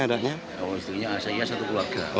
saya satu keluarga